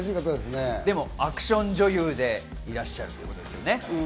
でも、アクション女優でいらっしゃるということですよね。